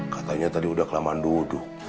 katanya tadi udah kelaman duduk